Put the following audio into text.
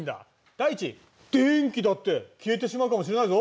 第一電気だって消えてしまうかもしれないぞ。